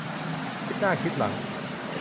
คิดหน้าคิดหลัง